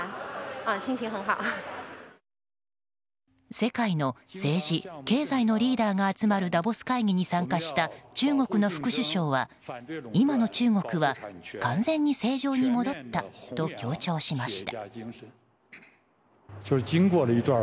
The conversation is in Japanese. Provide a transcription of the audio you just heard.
世界の政治、経済のリーダーが集まるダボス会議に参加した中国の副首相は今の中国は完全に正常に戻ったと強調しました。